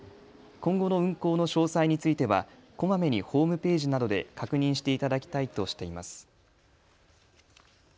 今後の運行の詳細についてはこまめにホームページなどで確認していただきたいとしています。